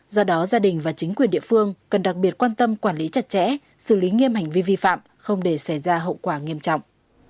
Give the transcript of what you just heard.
do đó gia đình và chính quyền địa phương cần đặc biệt quan tâm quản lý chặt chẽ xử lý nghiêm hành vi vi phạm không để xảy ra hậu quả nghiêm trọng